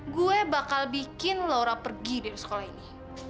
gue bakal bikin laura pergi dari sekolah ini